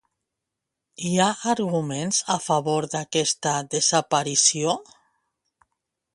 Hi ha arguments a favor d'aquesta desaparició?